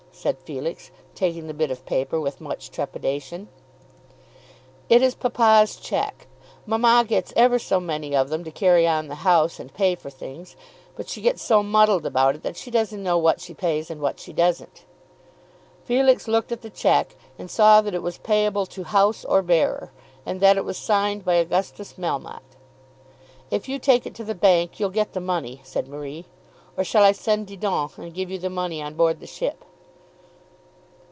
said Felix, taking the bit of paper with much trepidation. "It is papa's cheque. Mamma gets ever so many of them to carry on the house and pay for things. But she gets so muddled about it that she doesn't know what she pays and what she doesn't." Felix looked at the cheque and saw that it was payable to House or Bearer, and that it was signed by Augustus Melmotte. "If you take it to the bank you'll get the money," said Marie. "Or shall I send Didon, and give you the money on board the ship?"